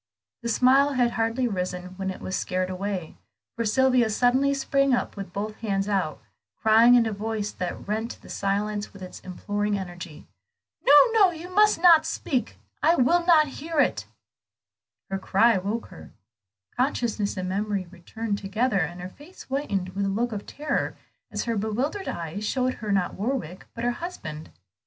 The smile had hardly risen when it was scared away, for Sylvia suddenly sprung up with both hands out, crying in a voice that rent the silence with its imploring energy "No, no, you must not speak! I will not hear you!" Her own cry woke her. Consciousness and memory returned together, and her face whitened with a look of terror, as her bewildered eyes showed her not Warwick, but her husband.